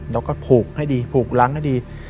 เราก็ผูกให้ดีผูกล้างให้ดี